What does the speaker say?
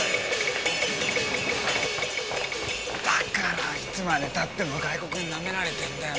だからいつまでたっても外国になめられてんだよ。